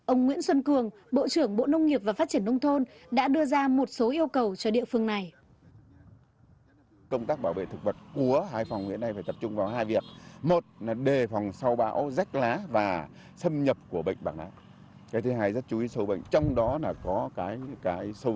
ông nguyễn xuân cường bộ trưởng bộ nông nghiệp và phát triển nông thôn đã đưa ra một số yêu cầu cho địa phương này